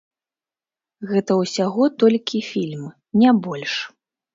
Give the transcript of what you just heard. Гэта ўсяго толькі фільм, не больш.